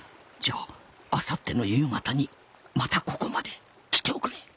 じゃああさっての夕方にまたここまで来ておくれ。